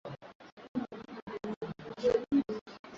Mfano mwingine ni jina la Maiga